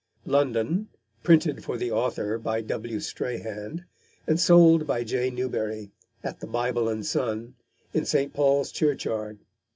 London: Printed for the Author, by W. Strahan; And sold by J. Newbery, at the Bible and Sun, in St. Paul's Churchyard.